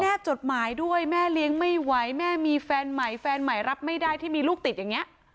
จดหมายด้วยแม่เลี้ยงไม่ไหวแม่มีแฟนใหม่แฟนใหม่รับไม่ได้ที่มีลูกติดอย่างนี้